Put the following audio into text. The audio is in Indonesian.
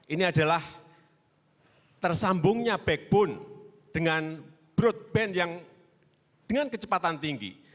ini adalah tersambungnya backbone dengan broadband yang dengan kecepatan tinggi